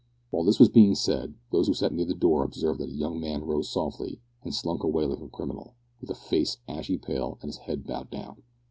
While this was being said, those who sat near the door observed that a young man rose softly, and slunk away like a criminal, with a face ashy pale and his head bowed down.